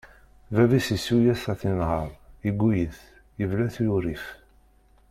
Bab-is yessuyes ad t-yenher, yegguni-t, yebla-t wurrif.